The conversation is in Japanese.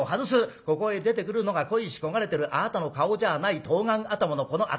ここへ出てくるのが恋し焦がれてるあなたの顔じゃない冬瓜頭のこの私だ。